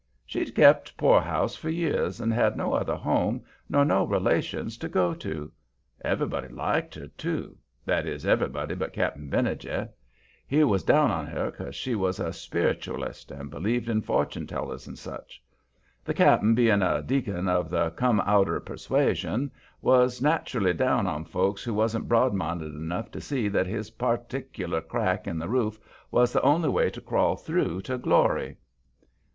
She'd kept poorhouse for years, and had no other home nor no relations to go to. Everybody liked her, too that is, everybody but Cap'n Benijah. He was down on her 'cause she was a Spiritualist and believed in fortune tellers and such. The cap'n, bein' a deacon of the Come Outer persuasion, was naturally down on folks who wasn't broad minded enough to see that his partic'lar crack in the roof was the only way to crawl through to glory.